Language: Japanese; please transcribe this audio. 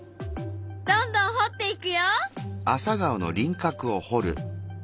どんどんほっていくよ！